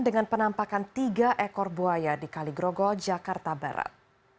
dengan penampakan tiga ekor buaya di kaligrogol jakarta barat